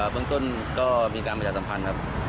เบื้องต้นก็มีการประชาสัมพันธ์ครับ